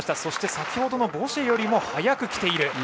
そして先ほどのボシェより早く来ている。